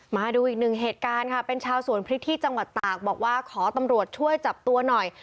มาดูอีกหนึ่งเหตุการณ์ค่ะเป็นชาวสวนพริกที่จังหวัดตากบอกว่าขอตำรวจช่วยจับตัวหน่อย